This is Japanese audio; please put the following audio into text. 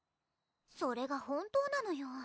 それが本当なのよ